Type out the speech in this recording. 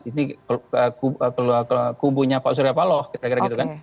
ini kubunya pak suriapaloh kira kira gitu kan